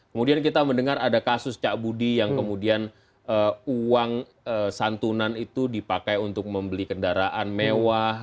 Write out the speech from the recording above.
kemudian kita mendengar ada kasus cak budi yang kemudian uang santunan itu dipakai untuk membeli kendaraan mewah